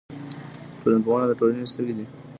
ټولنپوهنه د ټولنې سترګې دي.